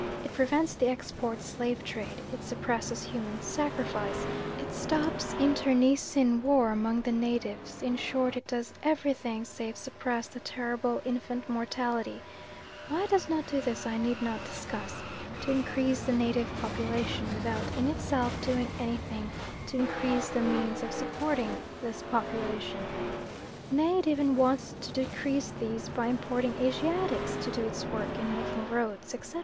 It prevents the export slave trade; it suppresses human sacrifice; it stops internecine war among the natives in short, it does everything save suppress the terrible infant mortality (why it does not do this I need not discuss) to increase the native population, without in itself doing anything to increase the means of supporting this population; nay, it even wants to decrease these by importing Asiatics to do its work, in making roads, etc.